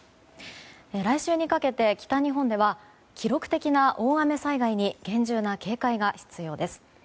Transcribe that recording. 来週にかけて北日本では記録的な大雨災害に厳重な警戒が必要です。